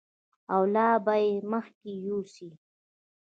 او لا به یې مخکې یوسي.